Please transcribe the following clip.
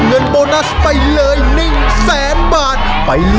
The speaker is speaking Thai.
และกล่องโบนัสหมายเลขสี่สามพันบาท